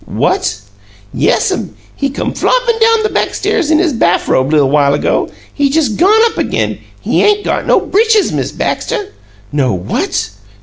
"What!" "Yes'm. He come floppin' down the back stairs in his baf robe li'l' while ago. He jes' gone up again. He 'ain't got no britches, Miz Baxter." "No WHAT?"